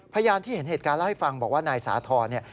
พยานที่เห็นเหตุการณ์เล่าให้ฟังบอกว่านายสาธรณ์เนี่ย